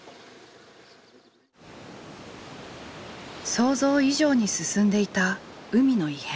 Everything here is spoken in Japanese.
想像以上に進んでいた海の異変。